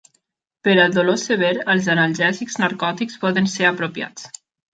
Per al dolor sever, els analgèsics narcòtics poden ser apropiats.